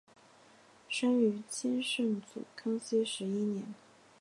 生于清圣祖康熙十一年。